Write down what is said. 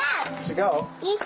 違う？